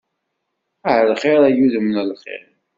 Ɛelxir ay udem n lxir.